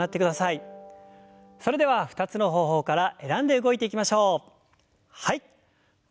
それでは２つの方法から選んで動いていきましょう。